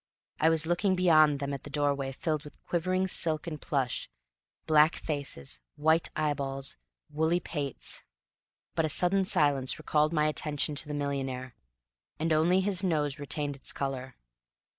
I was looking beyond them at the doorway filled with quivering silk and plush, black faces, white eyeballs, woolly pates. But a sudden silence recalled my attention to the millionaire. And only his nose retained its color.